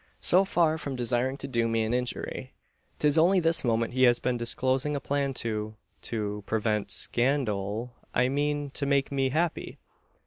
So far from desiring to do me an injury, 'tis only this moment he has been disclosing a plan to to prevent scandal I mean to make me happy.